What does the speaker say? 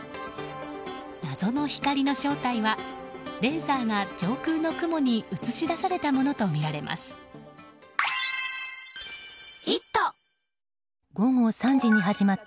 謎の光の正体はレーザーが上空の雲に映し出されたものとみられます。